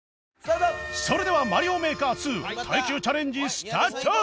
それでは『マリオメーカー２』耐久チャレンジスタート！